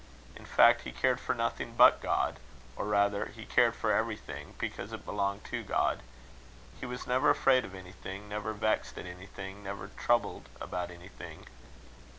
In fact, he cared for nothing but God; or rather, he cared for everything because it belonged to God. He was never afraid of anything, never vexed at anything, never troubled about anything.